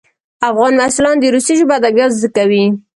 افغان محصلان د روسي ژبو ادبیات زده کوي.